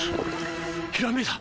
ひらめいた！